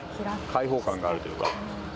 開放感があるというか。